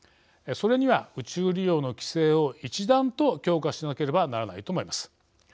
それには宇宙利用の規制を一段と強化しなければならないと思います。